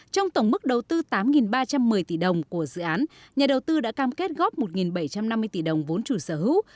trong tổng mức đầu tư tám ba trăm một mươi tỷ đồng của dự án nhà đầu tư đã cam kết góp một bảy trăm năm mươi tỷ đồng vốn chủ sở hữu